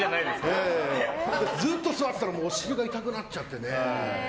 ずっと座ってたらお尻が痛くなっちゃって。